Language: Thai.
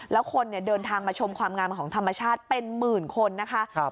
แล้วคนเดินทางมาชมความงามของธรรมชาติเป็นหมื่นคนนะคะ